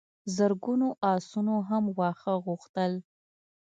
زرګونو آسونو هم واښه غوښتل.